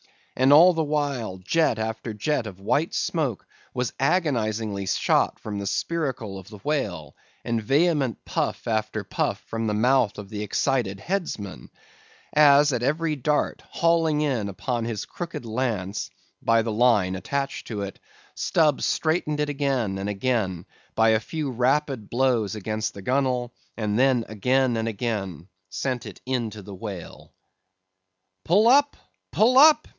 And all the while, jet after jet of white smoke was agonizingly shot from the spiracle of the whale, and vehement puff after puff from the mouth of the excited headsman; as at every dart, hauling in upon his crooked lance (by the line attached to it), Stubb straightened it again and again, by a few rapid blows against the gunwale, then again and again sent it into the whale. "Pull up—pull up!"